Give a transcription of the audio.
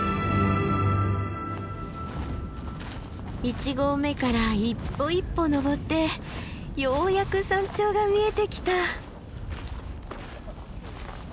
一合目から一歩一歩登ってようやく山頂が見えてきた。